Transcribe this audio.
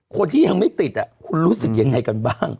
คนที่ยังไม่ติดคุณรู้สึกยังไงกันบ้าง